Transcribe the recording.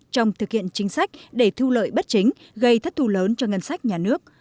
trong thực hiện chính sách để thu lợi bất chính gây thất thù lớn cho ngân sách nhà nước